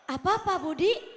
apa pak budi